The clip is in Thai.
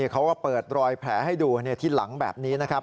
เขาก็เปิดรอยแผลให้ดูที่หลังแบบนี้นะครับ